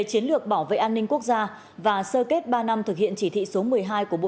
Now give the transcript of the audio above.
chiến lược bảo vệ an ninh quốc gia và sơ kết ba năm thực hiện chỉ thị số một mươi hai của bộ